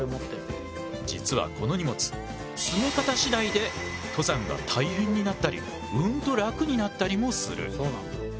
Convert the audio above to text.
実はこの荷物詰め方次第で登山が大変になったりうんと楽になったりもする。